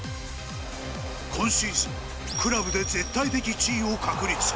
今シーズン、クラブで絶対的地位を確立。